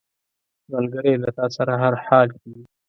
ملګری له تا سره هر حال کې وي